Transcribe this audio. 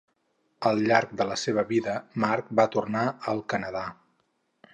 Al llarg de la seva vida, Mack va tornar al Canadà.